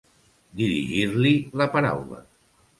Dirigir-li la paraula.